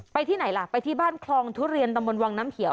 ที่ไหนล่ะไปที่บ้านคลองทุเรียนตำบลวังน้ำเขียว